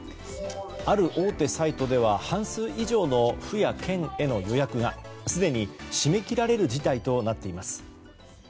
ある大手サイトでは半数以上の府や県への予約がすでに締め切られる事態となっております。